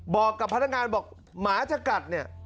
บอกกับพนักงานบอกหมาจะกัดเนี่ย